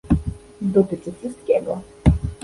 Dotyczy wszystkiego